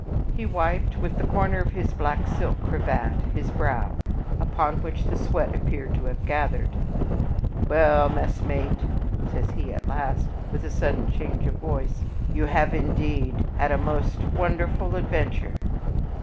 He wiped, with the corner of his black silk cravat, his brow, upon which the sweat appeared to have gathered. "Well, messmate," says he, at last, with a sudden change of voice, "you have, indeed, had a most wonderful adventure."